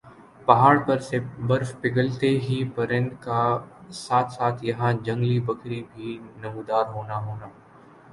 پہاڑ پر سے برف پگھلتے ہی پرند کا ساتھ ساتھ یَہاں جنگلی بکری بھی نمودار ہونا ہونا